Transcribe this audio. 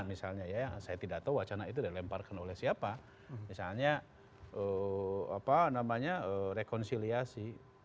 misalnya ya saya tidak tahu wacana itu dilemparkan oleh siapa misalnya rekonsiliasi